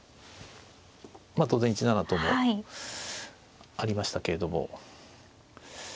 まあ当然１七ともありましたけれども。